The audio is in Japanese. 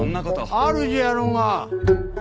あるじゃろうが。